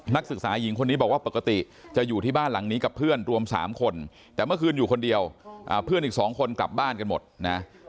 นักศึกษาหญิงคนนี้บอกว่าปกติจะอยู่ที่บ้านหลังนี้กับเพื่อนรวม๓คนแต่เมื่อคืนอยู่คนเดียวเพื่อนอีก๒คนกลับบ้านกันหมดนะ